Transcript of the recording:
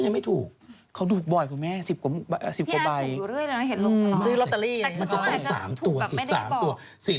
ก็เมื่อวันตอนนี้นายเชื่อแทน